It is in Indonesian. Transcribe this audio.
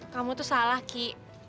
kamu tuh salah ki